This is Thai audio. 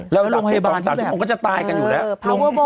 แล้วลงพยาบาลที่แบบ